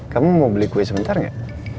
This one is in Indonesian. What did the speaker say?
kamu mau beli kue sebentar gak